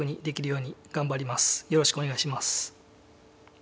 よろしくお願いします。